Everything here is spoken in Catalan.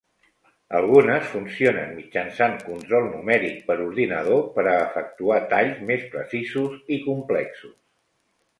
Algunes funcionen mitjançant Control numèric per ordinador per a efectuar talls més precisos i complexos.